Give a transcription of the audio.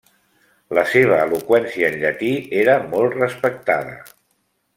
La seva eloqüència en llatí era molt respectada.